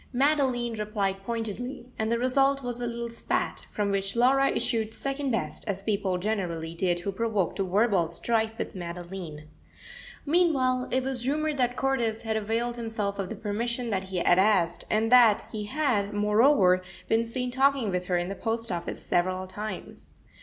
Madeline replied pointedly, and the result was a little spat, from which Laura issued second best, as people generally did who provoked a verbal strife with Madeline. Meanwhile it was rumoured that Cordis had availed himself of the permission that he had asked, and that he had, moreover, been seen talking with her in the post office several times.